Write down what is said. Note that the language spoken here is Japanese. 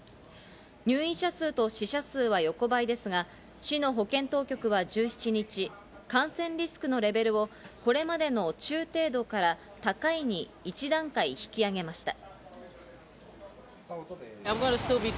入院者数と死者数は横ばいですが、市の保健当局は１７日、感染リスクのレベルをこれまでの中程度から「高い」に１段階引き上げました。